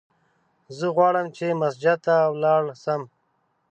زه غواړم چې مسجد ته ولاړ سم!